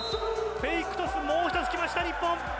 フェイクトス、もう１つきました日本。